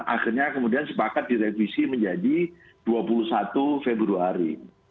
akhirnya kemudian sepakat direvisi menjadi dua puluh satu februari